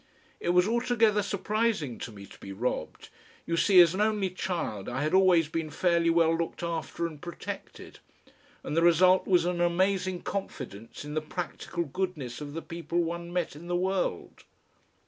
It was altogether surprising to me to be robbed. You see, as an only child I had always been fairly well looked after and protected, and the result was an amazing confidence in the practical goodness of the people one met in the world.